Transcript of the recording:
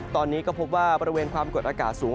ตอนนี้ก็พบว่าบริเวณความกดอากาศสูง